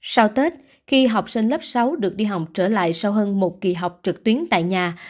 sau tết khi học sinh lớp sáu được đi học trở lại sau hơn một kỳ học trực tuyến tại nhà